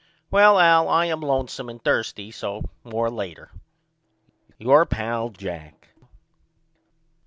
Well Al I am lonesome and thirsty so more later. Your pal, JACK.